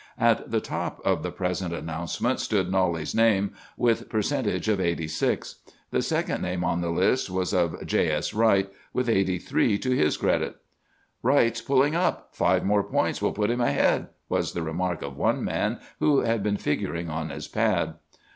"At the top of the present announcement stood Knollys's name with percentage of eighty six. The second name on the list was that of J. S. Wright, with eighty three to his credit. "'Wright's pulling up! Five more points will put him ahead!' was the remark of one man who had been figuring on his pad.